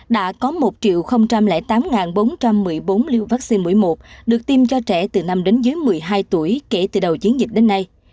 đã có một tám bốn trăm một mươi bốn liều vaccine mũi một được tiêm cho trẻ từ năm đến dưới một mươi hai tuổi kể từ đầu chiến dịch đến nay